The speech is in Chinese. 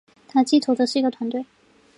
它寄托是一个团队